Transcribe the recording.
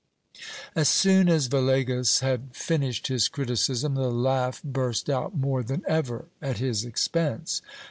As soon as Villegas had finished his criticism, the laugh burst out more than ever, at his expense.